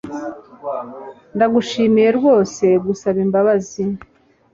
Ndagushimiye rwose gusaba imbabazi